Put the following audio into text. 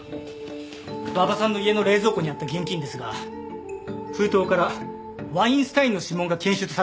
馬場さんの家の冷蔵庫にあった現金ですが封筒からワインスタインの指紋が検出されました。